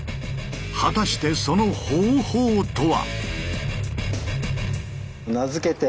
果たしてその方法とは？